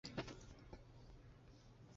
鹬虻科是分类在短角亚目下的虻下目中。